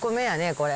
これ。